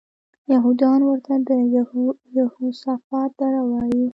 یهودان ورته د یهوسفات دره وایي.